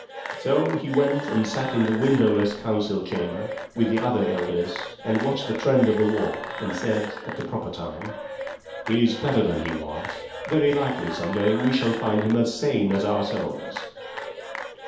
So he went and sat in the windowless council chamber with the other elders and watched the trend of the talk, and said, at the proper time, "He's better than he was. Very likely, some day, we shall find him as sane as ourselves."